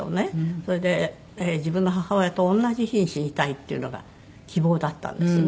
それで自分の母親と同じ日に死にたいっていうのが希望だったんですね。